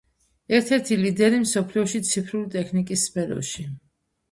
ერთ-ერთი ლიდერი მსოფლიოში ციფრული ტექნიკის სფეროში.